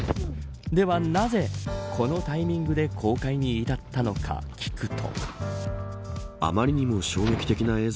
ではなぜ、このタイミングで公開に至ったのか聞くと。